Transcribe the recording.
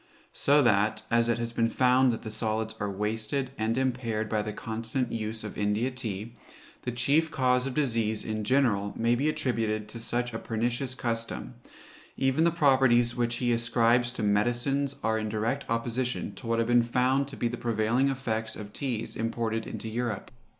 So that, as it has been found that the solids are wasted and impaired by the constant use of India tea, the chief cause of disease, in general, may be attributed to such a pernicious custom; even the properties which he ascribes to medicines are in direct opposition to what have been found to be the prevailing effects of teas imported into Europe.